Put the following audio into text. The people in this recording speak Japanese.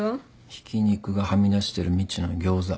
ひき肉がはみ出してるみちのギョーザ。